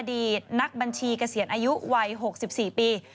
ดีตนักบัญชีเกษียณอายุวัย๖๔ปี